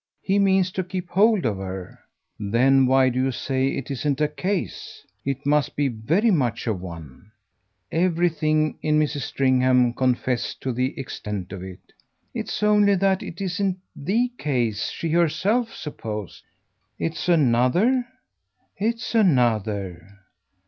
He means to keep hold of her." "Then why do you say it isn't a 'case'? It must be very much of one." Everything in Mrs. Stringham confessed to the extent of it. "It's only that it isn't THE case she herself supposed." "It's another?" "It's another."